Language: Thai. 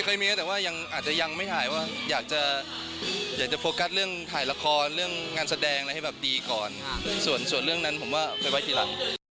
แม้แต่ว่ายังอาจจะยังไม่ถ่ายว่าอยากจะอยากจะโฟกัสเรื่องถ่ายละครเรื่องงานแสดงอะไรให้แบบดีก่อนส่วนเรื่องนั้นผมว่าไปไว้ทีหลัง